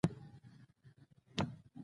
که د ښځې سره چا بد وکړل بښنه ورته کوي.